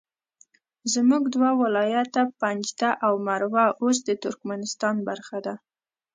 زموږ دوه ولایته پنجده او مروه اوس د ترکمنستان برخه ده